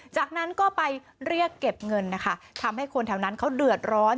จากนั้นก็ไปเรียกเก็บเงินนะคะทำให้คนแถวนั้นเขาเดือดร้อน